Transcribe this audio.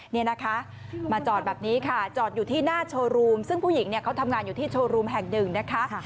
นี่นะคะมาจอดแบบนี้ค่ะจอดอยู่ที่หน้าโชว์รูมซึ่งผู้หญิงเนี่ยเขาทำงานอยู่ที่โชว์รูมแห่งหนึ่งนะคะ